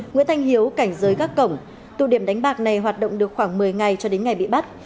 nguyễn thanh hiếu cảnh giới gác cổng tụ điểm đánh bạc này hoạt động được khoảng một mươi ngày cho đến ngày bị bắt